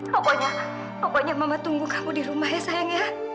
pokoknya pokoknya mama tunggu kamu di rumah ya sayang ya